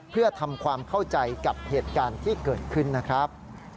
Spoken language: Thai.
เพื่อทำความเข้าใจกับเหตุการณ์ที่เกิดขึ้นนะครับ